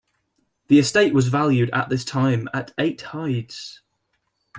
The estate was valued at this time at eight hides.